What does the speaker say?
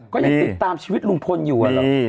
ก็ยังติดตามชีวิตลุงพลอยู่